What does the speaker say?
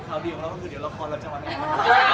คราวเดียวเขาคิดเดียวละครเราจะวั้นมา